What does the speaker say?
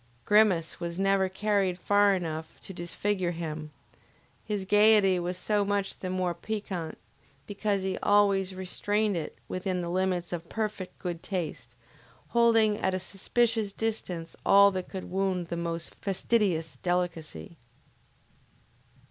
Grimace was never carried far enough to disfigure him; his gayety was so much the more piquant because he always restrained it within the limits of perfect good taste, holding at a suspicious distance all that could wound the most fastidious delicacy.